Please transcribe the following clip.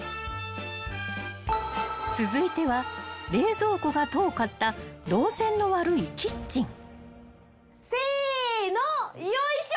［続いては冷蔵庫が遠かった動線の悪いキッチン］せのよいしょ！